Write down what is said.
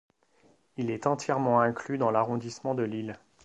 Il est entièrement inclus dans l'arrondissement de Lille.